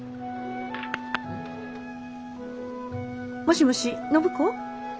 もしもし暢子？